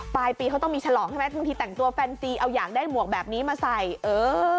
ปลายปีเขาต้องมีฉลองใช่ไหมบางทีแต่งตัวแฟนซีเอาอยากได้หมวกแบบนี้มาใส่เออ